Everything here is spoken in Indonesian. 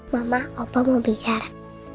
mama opa mau bicara